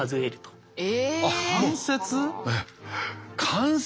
関節。